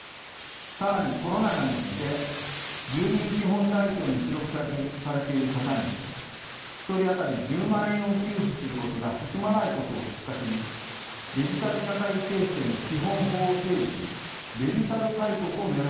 更にコロナ禍において住民基本台帳に記録されている方に１人当たり１０万円を給付することが進まないことをきっかけにデジタル社会形成の基本法を整備しデジタル大国を目指そうとしました。